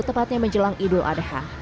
tepatnya menjelang idul adha